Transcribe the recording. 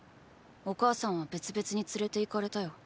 お母さんは別々に連れて行かれたよ。